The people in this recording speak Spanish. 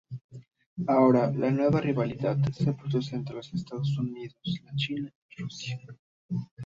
Ahora, la nueva rivalidad se produce entre los Estados Unidos, la China y Rusia.